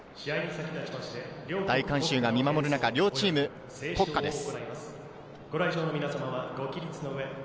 大観衆が見守る中、両チームの国歌です。